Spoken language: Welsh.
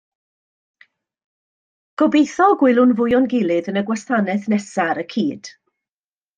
Gobeithio y gwelwn fwy o'n gilydd yn y gwasanaeth nesaf ar y cyd